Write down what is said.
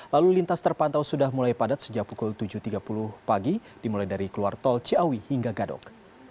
lalu lintas terpantau sudah mulai padat sejak pukul tujuh tiga puluh pagi dimulai dari keluar tol ciawi hingga gadok